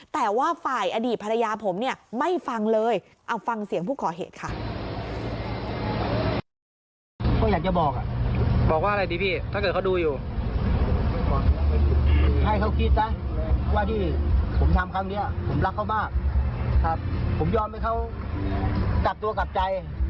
แต่ว่าฝ่ายอดีตภรรยาผมเนี่ยไม่ฟังเลยเอาฟังเสียงผู้ก่อเหตุค่ะ